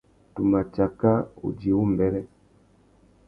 Tu tà ma tsaka udjï wumbêrê.